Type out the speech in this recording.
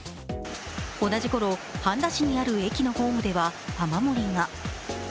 同じころ、半田市にある駅のホームでは雨漏りが。